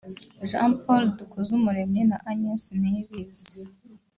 Jean Paul Dukuzumuremyi na Agnes Niyibizi